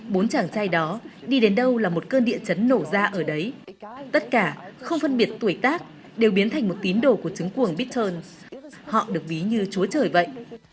bốn chàng trai đó đi đến đâu là một cơn địa chấn nổ ra ở đấy tất cả không phân biệt tuổi tác đều biến thành một tín đồ của trứng cuồng biton họ được ví như chúa trời vậy